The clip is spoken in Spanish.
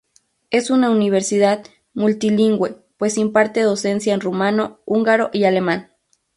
Es una universidad multilingüe, pues imparte docencia en rumano, húngaro y alemán.